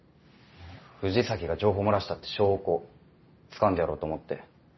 藤崎が情報漏らしたって証拠つかんでやろうと思って。